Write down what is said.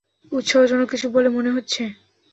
উৎসাহজনক কিছু বলে মনে হচ্ছে।